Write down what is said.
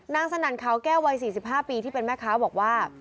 สนั่นขาวแก้ววัย๔๕ปีที่เป็นแม่ค้าบอกว่า